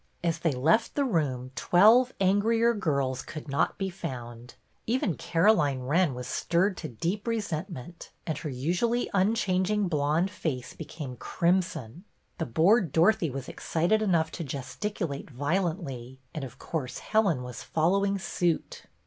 As they left the room twelve angrier girls could not be found; even Caroline Wren was stirred to deep resentment, and her usually unchanging blonde face became crimson. The bored Dorothy was excited enough to gesticulate violently, and, of course, Helen was following suit.